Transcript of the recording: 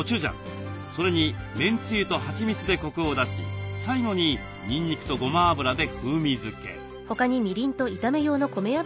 それにめんゆつとはちみつでコクを出し最後ににんにくとごま油で風味付け。